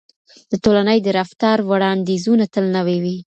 د ټولنې د رفتار وړاندیزونه تل نوي وي.